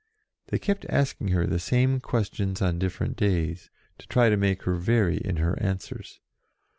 They kept asking her the same questions on different days, to try to make her vary in her answers.